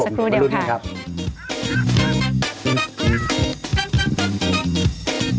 จากครู่เดี๋ยวค่ะมาดูนี่ครับ